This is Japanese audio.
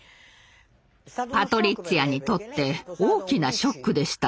パトリッツィアにとって大きなショックでした。